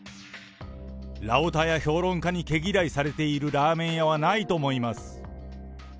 ラヲタや評論家に毛嫌いされているラーメン屋はないと思います。